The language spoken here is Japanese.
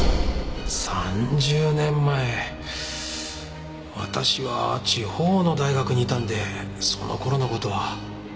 ３０年前私は地方の大学にいたんでその頃の事は。